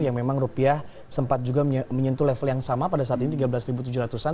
yang memang rupiah sempat juga menyentuh level yang sama pada saat ini tiga belas tujuh ratus an